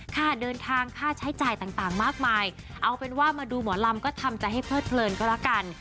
ค่าเดินทางค่าใช้จ่ายต่างมากมายเอาเป็นว่ามาดูหมอลำก็ทำใจให้เพลิดเพลินก็แล้วกัน